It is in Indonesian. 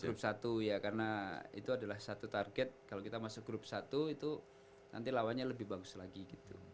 grup satu ya karena itu adalah satu target kalau kita masuk grup satu itu nanti lawannya lebih bagus lagi gitu